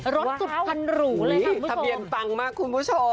รสสุดพันหรูเลยค่ะคุณผู้ชม